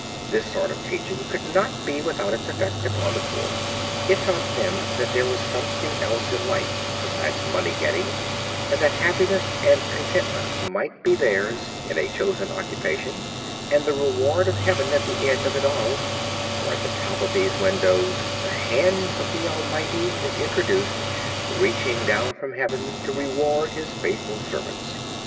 This sort of teaching could not be without its effect upon the poor. It taught them that there was something else in life besides money getting and that happiness and contentment might be theirs in a chosen occupation and the reward of Heaven at the end of it all, for at the top of these windows the hand of the Almighty is introduced reaching down from Heaven to reward his faithful servants.